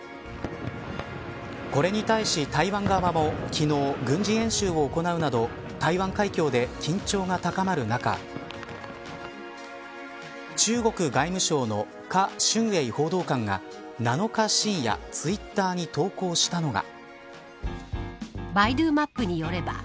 これに対し、台湾側も昨日、軍事演習を行うなど台湾海峡で緊張が高まる中中国外務省の華春瑩報道官が７日、深夜ツイッターに投稿したのが。